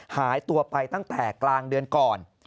หายตัวไปตั้งแต่กลางเดือนก่อน